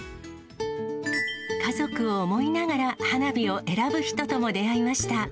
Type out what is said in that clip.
家族を思いながら花火を選ぶ人とも出会いました。